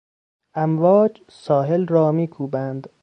امواج ساحل را میکوبند.